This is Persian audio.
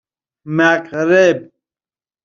مغرب